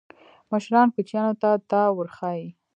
مشران کوچنیانو ته دا ورښيي.